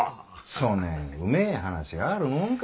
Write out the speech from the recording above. そねんうめえ話があるもんか。